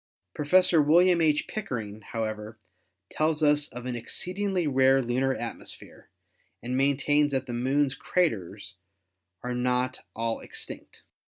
Prof. William H. Pickering, however, tells us of an exceedingly rare lunar atmosphere and main tains that the Moon's craters are not all extinct.